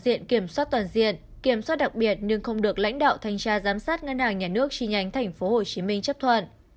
đại diện kiểm soát toàn diện kiểm soát đặc biệt nhưng không được lãnh đạo thanh tra giám sát ngân hàng nhà nước chi nhánh tp hcm chấp thuận